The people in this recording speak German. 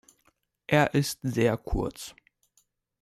Er ist sehr kurz.